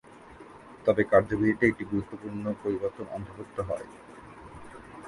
তবে কার্যবিধিতে একটি গুরুত্বপূর্ণ পরিবর্তন অন্তর্ভুক্ত হয়।